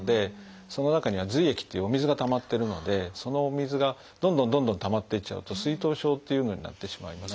その中には「髄液」っていうお水がたまってるのでそのお水がどんどんどんどんたまっていっちゃうと「水頭症」というのになってしまいます。